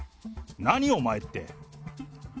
何、お前って。